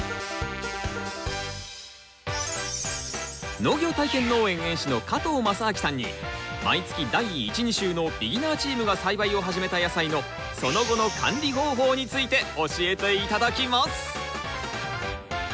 農業体験農園園主の加藤正明さんに毎月第１・２週のビギナーチームが栽培を始めた野菜のその後の管理方法について教えて頂きます！